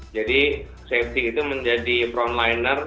jadi safety itu menjadi frontliner